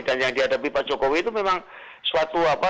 dan yang dihadapi pak jokowi itu memang suatu apa